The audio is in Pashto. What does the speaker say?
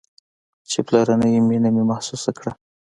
چې پلرنۍ مينه مې محسوسه كړه.